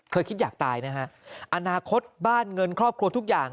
คิดอยากตายนะฮะอนาคตบ้านเงินครอบครัวทุกอย่าง